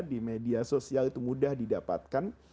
di media sosial itu mudah didapatkan